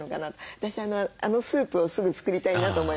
私あのスープをすぐ作りたいなと思いました。